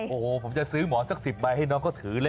โอ้โฮผมจะซื้อหมอสัก๑๐มือให้น้องก็ถือเลย